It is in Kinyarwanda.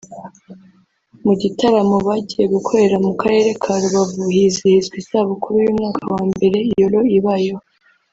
Mu gitaramo bagiye gukorera mu karere ka Rubavu hizihizwa isabukuru y’umwaka wa mbere ‘Yolo’ ibayeho